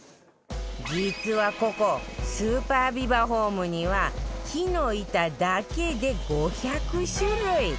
実はここスーパービバホームには木の板だけで５００種類